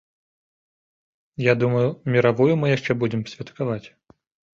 Я думаю, міравую мы яшчэ будзем святкаваць.